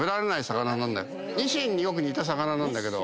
ニシンによく似た魚なんだけど。